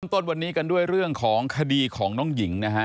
ต้นวันนี้กันด้วยเรื่องของคดีของน้องหญิงนะฮะ